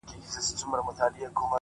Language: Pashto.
پرمختګ د ثابتې ارادې محصول دی!